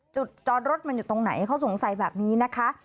จุดจอดรถมันอยู่ตรงไหนเขาสงสัยแบบนี้นะคะ